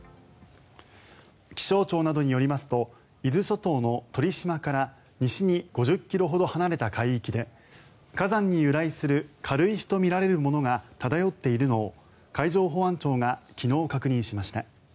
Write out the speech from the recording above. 気象庁などによりますと伊豆諸島の鳥島から西に５０ｋｍほど離れた海域で火山に由来する軽石とみられるものが漂っているのを海上保安庁が昨日、確認しました。